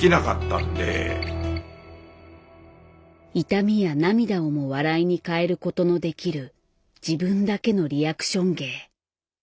痛みや涙をも笑いに変えることのできる自分だけのリアクション芸。